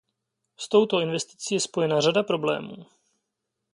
S touto investicí je spojena řada problémů.